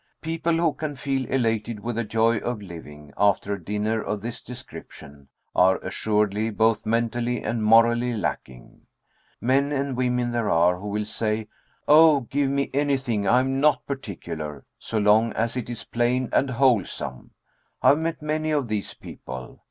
People who can feel elated with the joy of living, after a dinner of this description, are assuredly both mentally and morally lacking. Men and women there are who will say: "Oh, give me anything. I'm not particular so long as it is plain and wholesome." I've met many of these people.